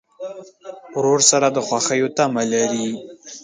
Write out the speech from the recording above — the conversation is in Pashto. ورور سره د خوښیو تمه لرې.